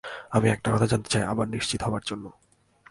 আমি একটা কথা জানতে চাই, আবার নিশ্চিত হওয়ার জন্য।